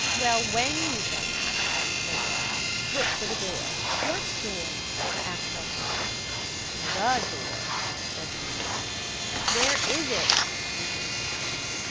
"Well, when you've done that," said the mole, "look for the door." "What door?" asked Elfrida. "The door," said the mole. "But where is it?" Edred asked.